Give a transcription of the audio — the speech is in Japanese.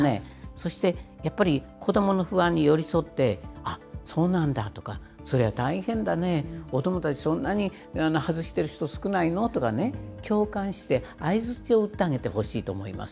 そしてやっぱり子どもの不安に寄り添って、あっ、そうなんだとか、それは大変だね、お友達、そんなに外してる人、少ないの？とか、共感して、相づちを打ってあげてほしいと思います。